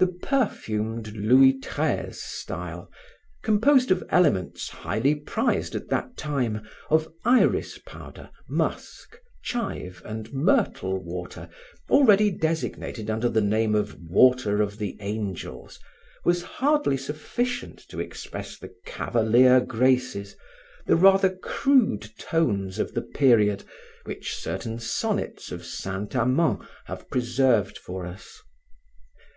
The perfumed Louis XIII style, composed of elements highly prized at that time, of iris powder, musk, chive and myrtle water already designated under the name of "water of the angels," was hardly sufficient to express the cavalier graces, the rather crude tones of the period which certain sonnets of Saint Amand have preserved for us.